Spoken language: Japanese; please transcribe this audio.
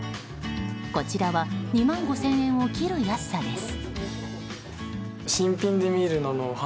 こちらは２万５０００円を切る安さです。